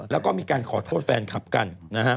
แล้วก็มีการขอโทษแฟนคลับกัน